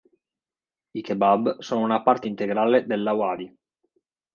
I "Kebab" sono una parte integrale dell'Awadhi.